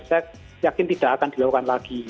saya yakin tidak akan dilakukan lagi